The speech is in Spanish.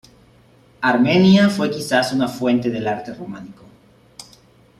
Armenia fue quizás una fuente del arte románico.